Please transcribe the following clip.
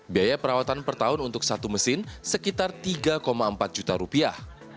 biaya perawatan per tahun untuk satu mesin sekitar tiga empat juta rupiah